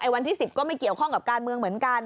วันที่๑๐ก็ไม่เกี่ยวข้องกับการเมืองเหมือนกัน